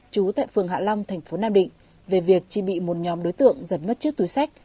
trú tại phường hạ long thành phố nam định về việc chỉ bị một nhóm đối tượng giật mất chiếc túi sách